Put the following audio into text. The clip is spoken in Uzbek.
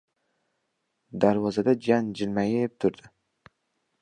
Darvozada jiyan jilmayib turdi.